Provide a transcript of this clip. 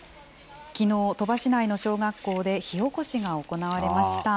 きのう、鳥羽市内の小学校で火おこしが行われました。